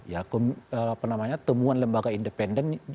ya apa namanya temuan lembaga independen yang terkait